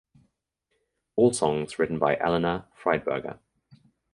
All songs written by Eleanor Friedberger.